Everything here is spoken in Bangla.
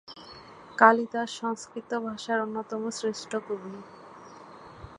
কালিদাস সংস্কৃত ভাষার অন্যতম শ্রেষ্ঠ কবি।